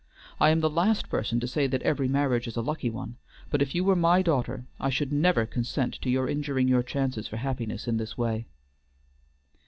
I am the last person to say that every marriage is a lucky one; but if you were my daughter I should never consent to your injuring your chances for happiness in this way."